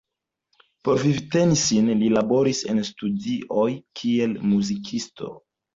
Por vivteni sin li laboris en studioj kiel muzikisto.